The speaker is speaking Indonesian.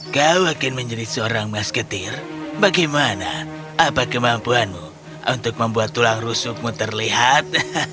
kau akan menjadi seorang masketir bagaimana apa kemampuanmu untuk membuat tulang rusukmu terlihat